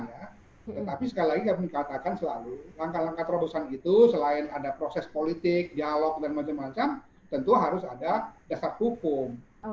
ya tetapi sekali lagi kami katakan selalu langkah langkah terobosan itu selain ada proses politik dialog dan macam macam tentu harus ada dasar hukum